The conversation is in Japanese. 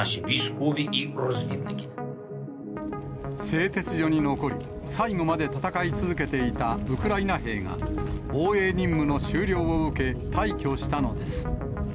製鉄所に残り、最後まで戦い続けていたウクライナ兵が、防衛任務の終了を受け、退去したのです。